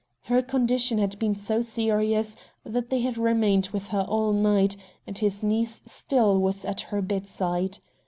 Her condition had been so serious that they had remained with her all night, and his niece still was at her bedside.